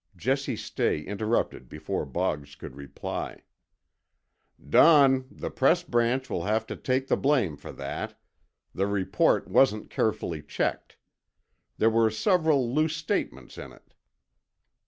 Jesse Stay interrupted before Boggs could reply. "Don, the Press Branch will have to take the blame for that. The report wasn't carefully checked. There were several loose statements in it."